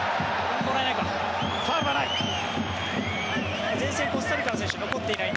ファウルはない。